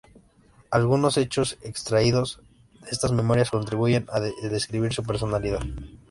Algunos hechos extraídos de estas memorias contribuyen a describir su personalidad.